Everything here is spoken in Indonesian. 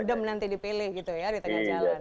adem nanti dipilih gitu ya di tengah jalan